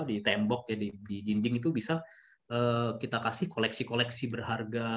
di tembok di dinding itu bisa kita kasih koleksi koleksi berharga